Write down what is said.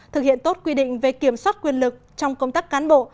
thực hiện tốt quy định về kiểm soát quyền lực trong công tác cán bộ